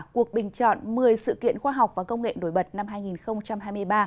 cuộc bình chọn một mươi sự kiện khoa học và công nghệ nổi bật năm hai nghìn hai mươi ba